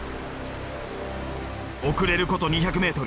遅れること２００ｍ。